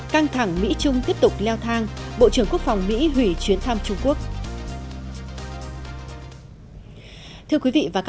căng thẳng mỹ trung tiếp tục leo thang bộ trưởng quốc phòng mỹ hủy chuyến thăm trung quốc